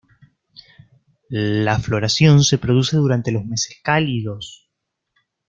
La floración se produce durante los meses cálidos.